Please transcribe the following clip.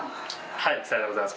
はいさようでございます。